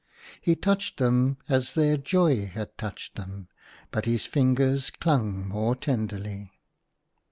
He touched them as their Joy had touched them, but his fingers clung more tenderly.